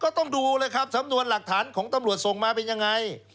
ต้องดูเลยครับสำนวนหลักฐานของตำรวจส่งมาเป็นยังไง